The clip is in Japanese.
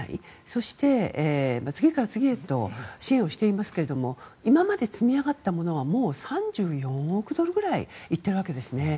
そして次から次へと支援をしていますけれども今まで積み上がったものはもう３４億ドルくらい行っているわけですね。